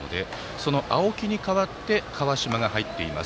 その青木に代わって川島が入っています。